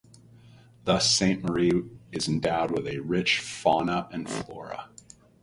Thus, Sainte Marie is endowed with a very rich fauna and flora.